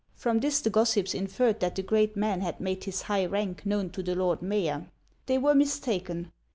From this the gossips inferred that the great man had made his high rank known to the lord mayor. They were mistaken.